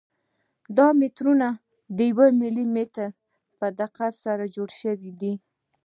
دا مترونه د یو ملي متر په دقت سره جوړ شوي دي.